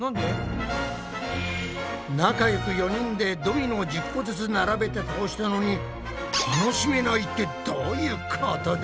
仲よく４人でドミノを１０個ずつ並べて倒したのに楽しめないってどういうことだ？